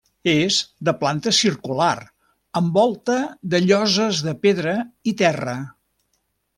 És de planta circular amb volta de lloses de pedra i terra.